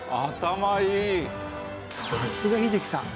さすが英樹さん。